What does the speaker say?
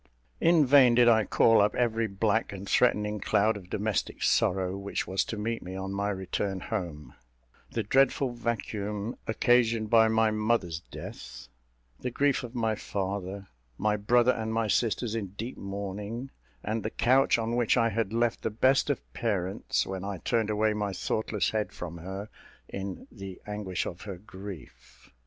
In vain did I call up every black and threatening cloud of domestic sorrow, which was to meet me on my return home the dreadful vacuum occasioned by my mother's death the grief of my father my brother and my sisters in deep mourning, and the couch on which I had left the best of parents, when I turned away my thoughtless head from her in the anguish of her grief.